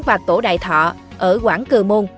và tổ đại thọ ở quảng cờ môn